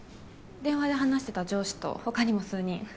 電話で話してた上司とほかにも数人。